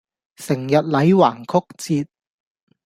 成日捩橫曲折